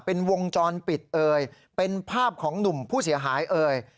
เป็นวงจรปิดเอ่ยเป็นภาพของหนุ่มผู้เสียหายเอ่ย